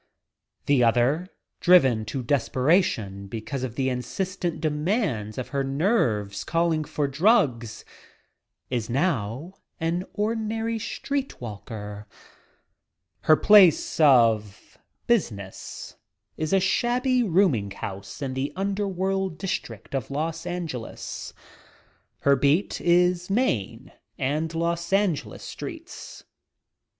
The other, driven to desperation because of the insistent demand of her nerves calling for the drugs, is now an ordinary street walker. Her place of business* is a shabby rooming house in the under world district of Los Angeles; her "beat" is Main and Los Angeles streets.